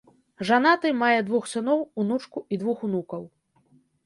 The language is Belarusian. Жанаты, мае двух сыноў, унучку і двух унукаў.